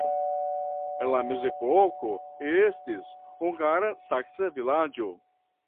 En la mezepoko estis hungara-saksa vilaĝo.